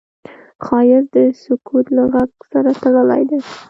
ښایست د سکوت له غږ سره تړلی دی